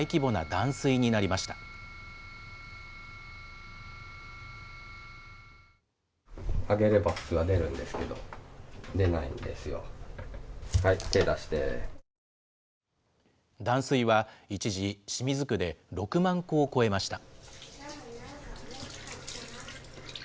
断水は、一時、清水区で６万戸を超えました。